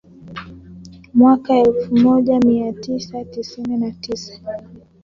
Mwaka elfu moja mia tisa tisini na tisa